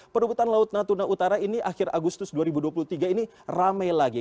perubatan laut natuna utara ini akhir agustus dua ribu dua puluh tiga ini rame lagi